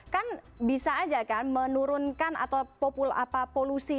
kan bisa aja kan menurunkan atau polusi